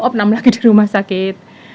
oh enam lagi di rumah sakit